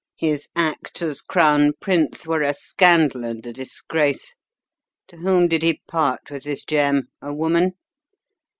His acts as crown prince were a scandal and a disgrace. To whom did he part with this gem a woman?"